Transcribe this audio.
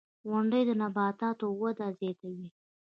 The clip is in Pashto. • غونډۍ د نباتاتو وده زیاتوي.